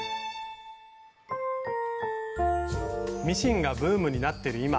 ミシンがブームになってる